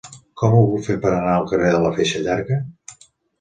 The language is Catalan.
Com ho puc fer per anar al carrer de la Feixa Llarga?